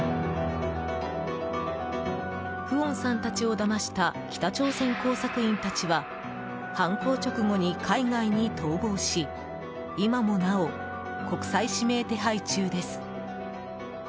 フオンさんたちをだました北朝鮮工作員たちは犯行直後に海外に逃亡し今もなお国際指名手配中です。